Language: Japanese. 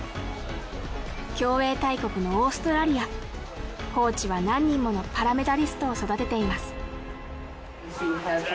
競泳大国のオーストラリアコーチは何人ものパラメダリストを育てています